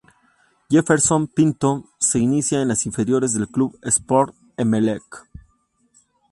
Jefferson Pinto se inició en las inferiores del Club Sport Emelec.